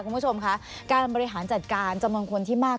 คุณผู้ชมค่ะการบริหารจัดการจำนวนคนที่มาก